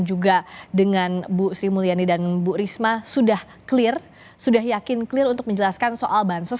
juga dengan bu sri mulyani dan bu risma sudah clear sudah yakin clear untuk menjelaskan soal bansos